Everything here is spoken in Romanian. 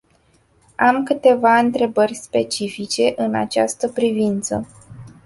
Am câteva întrebări specifice în această privință.